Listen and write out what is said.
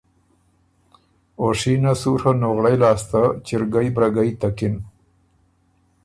او شینه سُوڒه نُغړئ لاسته چِرګئ برګئ تکِن۔